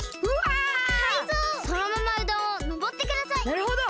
なるほど！